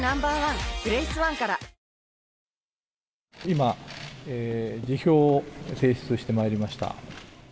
今、辞表を提出してまいりました。